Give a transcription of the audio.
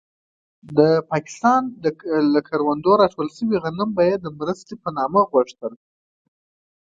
د پاکستان له کروندو راټول شوي غنم به يې د مرستې په نامه غوښتل.